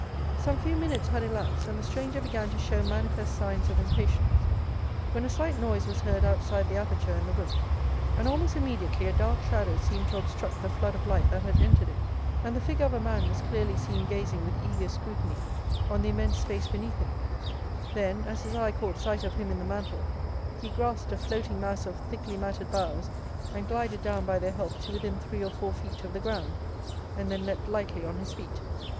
Some few minutes had elapsed, and the stranger began to show manifest signs of impatience, when a slight noise was heard outside the aperture in the roof, and almost immediately a dark shadow seemed to obstruct the flood of light that had entered it, and the figure of a man was clearly seen gazing with eager scrutiny on the immense space beneath him; then, as his eye caught sight of him in the mantle, he grasped a floating mass of thickly matted boughs, and glided down by their help to within three or four feet of the ground, and then leaped lightly on his feet.